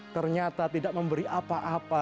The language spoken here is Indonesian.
ternyata tidak memberi apa apa